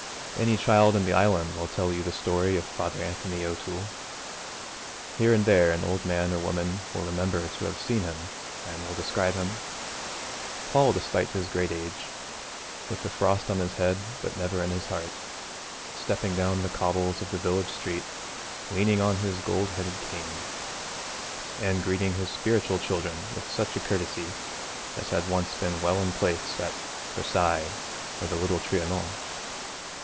Any child in the Island will tell you the story of Father Anthony O'Toole. Here and there an old man or woman will remember to have seen him and will describe him tall despite his great age, with the frost on his head but never in his heart, stepping down the cobbles of the village street leaning on his gold headed cane, and greeting his spiritual children with such a courtesy as had once been well in place at Versailles or the Little Trianon.